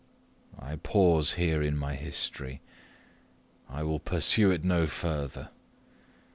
I pause here in my history I will pursue it no further.